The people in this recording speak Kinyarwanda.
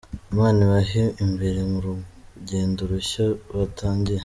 Imana ibabe imbere mu rugendo rushya batangiye.